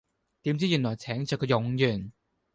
點知原來請著個冗員